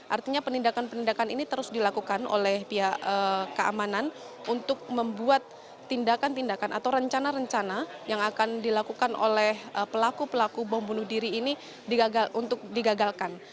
artinya penindakan penindakan ini terus dilakukan oleh pihak keamanan untuk membuat tindakan tindakan atau rencana rencana yang akan dilakukan oleh pelaku pelaku bom bunuh diri ini untuk digagalkan